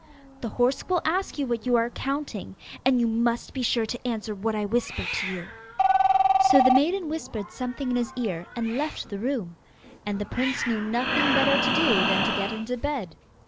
The horse will ask you what you are counting, and you must be sure to answer what I whisper to you.' So the maiden whispered something in his ear, and left the room. And the prince knew nothing better to do than to get into bed.